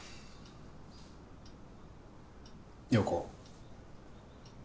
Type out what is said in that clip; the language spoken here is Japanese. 陽子。